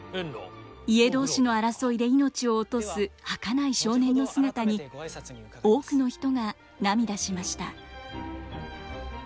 家同士の争いで命を落とすはかない少年の姿に多くの人が涙しました。